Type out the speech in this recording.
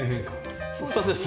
そうですね。